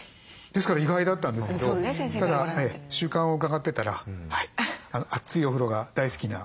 ですから意外だったんですけどただ習慣を伺ってたら熱いお風呂が大好きな